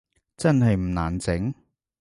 真係唔難整？